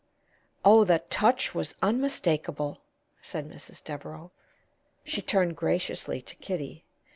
"Oh, the touch was unmistakable!" said Mrs. Devereaux. She turned graciously to Kitty.